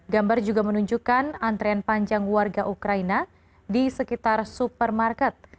gambar juga menunjukkan antrean panjang warga ukraina di sekitar supermarket